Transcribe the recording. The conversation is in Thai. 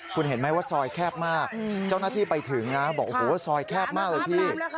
คุณเห็นไหมว่าซอยแคบมากเจ้าหน้าที่ไปถึงนะบอกโอ้โหซอยแคบมากเลยพี่